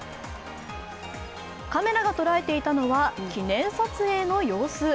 カメラが捉えていたのは記念撮影の様子。